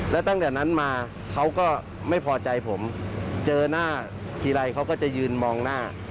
แล้วตั้งแต่นั้นมาเขาก็ไม่พอใจผมเจอหน้าทีไรเขาก็จะยืนมองหน้า